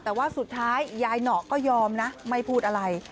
แต่ว่าสุดท้ายยายหนอก็ยอมนะไม่พูดอะไร